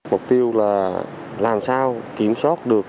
mục tiêu là làm sao kiểm soát được